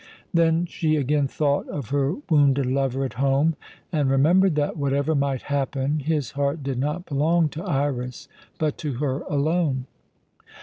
Then she again thought of her wounded lover at home, and remembered that, whatever might happen, his heart did not belong to Iras, but to her alone.